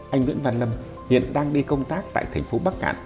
anh nguyễn văn lâm hiện đang đi công tác tại thành phố bắc cạn